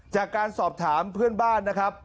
จากการสอบถามเพื่อนบ้านนะครับ